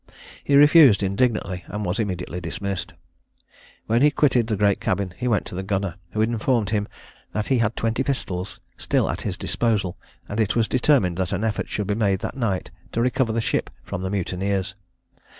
He refused indignantly, and was immediately dismissed. When he quitted the great cabin, he went to the gunner, who informed him that he had twenty pistols still at his disposal, and it was determined that an effort should be made that night to recover the ship from the mutineers.